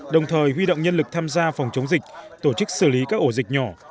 đồng thời huy động nhân lực tham gia phòng chống dịch tổ chức xử lý các ổ dịch nhỏ